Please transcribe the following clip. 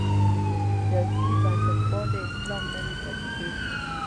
سیاسي بنسټپالی اسلام نوې پدیده ده.